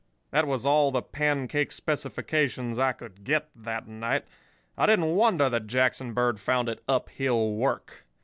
"That was all the pancake specifications I could get that night. I didn't wonder that Jackson Bird found it uphill work.